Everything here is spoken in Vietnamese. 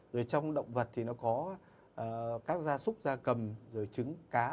rồi trong động vật thì nó có các da súc da cầm rồi trứng cá